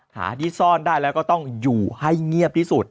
หาที่ซ่อนได้แล้วก็ต้องอยู่ให้เงียบที่สุด